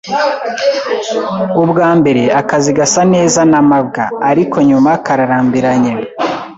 Ubwa mbere akazi gasa neza na mabwa, ariko nyuma kararambiranye.